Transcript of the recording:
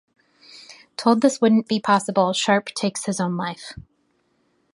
Told this wouldn't be possible, Sharpe takes his own life.